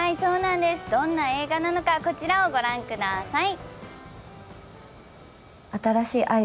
どんな映画なのかこちらを御覧ください。